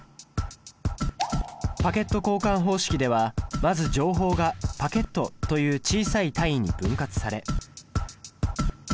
パケット交換方式ではまず情報がパケットという小さい単位に分割され。